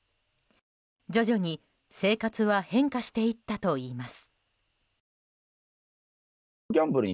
徐々に、生活は変化していったといいます。